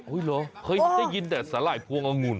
เหรอเคยได้ยินแต่สาหร่ายพวงองุ่น